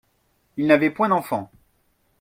Ils n'avaient point d'enfants